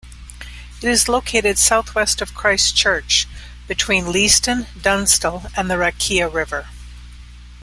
It is located southwest of Christchurch, between Leeston, Dunsandel and the Rakaia River.